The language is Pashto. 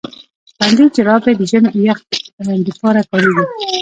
پنډي جراپي د ژمي او يخ د پاره کاريږي.